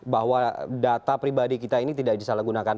bahwa data pribadi kita ini tidak disalahgunakan